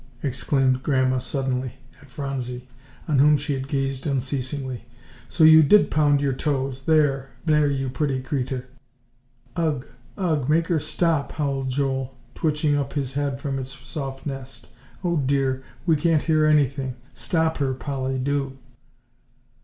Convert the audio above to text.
exclaimed Grandma suddenly, at Phronsie, on whom she had gazed unceasingly, "so you did pound your toes there there you pretty creeter!" "Ugh ugh! make her stop," howled Joel, twitching up his head from its soft nest. "Oh, dear, we can't hear anything. Stop her, Polly, do."